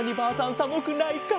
さむくないか？